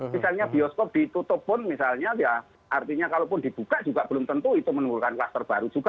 misalnya bioskop ditutup pun misalnya ya artinya kalaupun dibuka juga belum tentu itu menimbulkan kluster baru juga